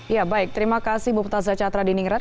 ya baik terima kasih buputazah catra diningrat